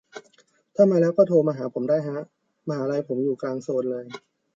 ถ้ามาแล้วก็โทรหาผมได้ฮะ มหาลัยผมอยู่กลางโซลเลย